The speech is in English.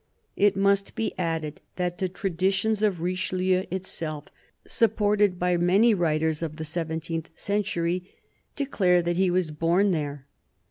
It must be added that the traditions of Richelieu itself, supported by many writers of the seventeenth century, declare that he was born there.